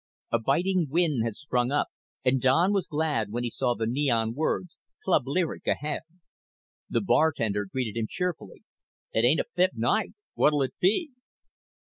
A biting wind had sprung up and Don was glad when he saw the neon words Club Lyric ahead. The bartender greeted him cheerfully. "It ain't a fit night. What'll it be?"